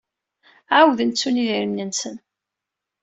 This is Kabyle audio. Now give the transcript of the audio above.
Ɛawden ttun idrimen-nsen.